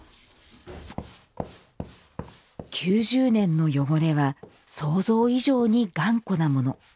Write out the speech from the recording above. ９０年の汚れは想像以上に頑固なもの。